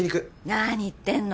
何言ってんの。